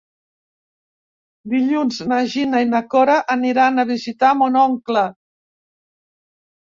Dilluns na Gina i na Cora aniran a visitar mon oncle.